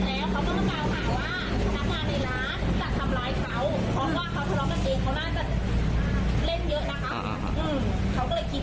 อ่าเสร็จแล้วเขาก็มากล่าวหาว่านักงานในร้านจะทำร้ายเขา